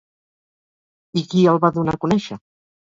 I qui el va donar a conèixer?